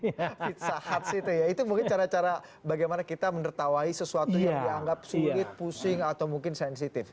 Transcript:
pizza huts itu ya itu mungkin cara cara bagaimana kita menertawai sesuatu yang dianggap sulit pusing atau mungkin sensitif